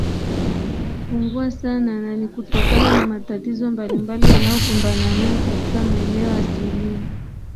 inapungua sana na ni kutokana na matatizo mbalimbali wanayo kumbana nayo katika maeneo asilia